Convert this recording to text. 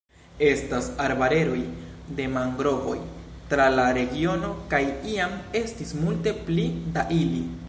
Estas arbareroj de mangrovoj tra la regiono kaj iam estis multe pli da ili.